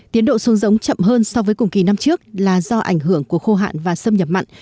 tiến độ xuống giống chậm hơn so với cùng kỳ năm trước là do ảnh hưởng của khô hạn và xâm nhập mặn